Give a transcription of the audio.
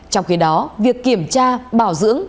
trong khi đó việc kiểm tra bảo dưỡng